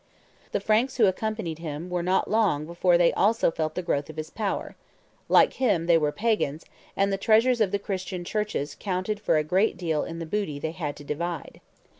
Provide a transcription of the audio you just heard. The Franks who accompanied him were not long before they also felt the growth of his power; like him they were pagans, and the treasures of the Christian churches counted for a great deal in the booty they had to divide.